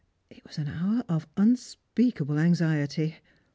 It was an hour of nnspeakable anxiety.